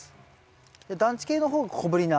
暖地系の方が小ぶりな。